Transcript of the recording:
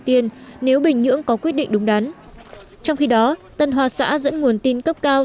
tiên nếu bình nhưỡng có quyết định đúng đắn trong khi đó tân hoa xã dẫn nguồn tin cấp cao